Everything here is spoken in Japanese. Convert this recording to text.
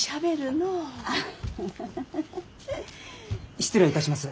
失礼いたします。